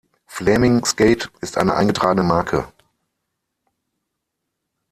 Flaeming-Skate ist eine eingetragene Marke.